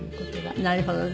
なるほどね。